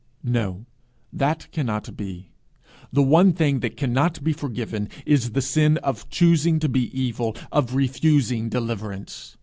'No; that cannot be. The one thing that cannot be forgiven is the sin of choosing to be evil, of refusing deliverance.